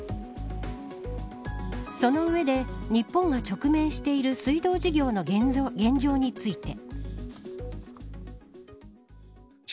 その上で日本が直面している水道事業の現状について。